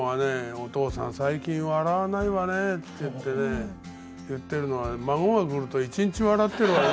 「おとうさん最近笑わないわね」って言ってね言ってるのが「孫が来ると一日笑ってるわね」